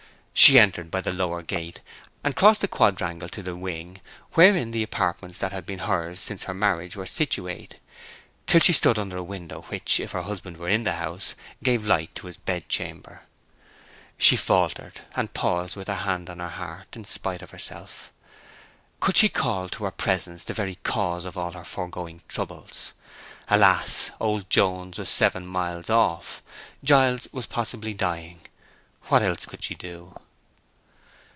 She entered by the lower gate, and crossed the quadrangle to the wing wherein the apartments that had been hers since her marriage were situate, till she stood under a window which, if her husband were in the house, gave light to his bedchamber. She faltered, and paused with her hand on her heart, in spite of herself. Could she call to her presence the very cause of all her foregoing troubles? Alas!—old Jones was seven miles off; Giles was possibly dying—what else could she do?